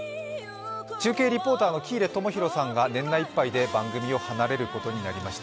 中継リポーターの喜入友浩アナウンサーが年内いっぱいで番組を離れることになりました。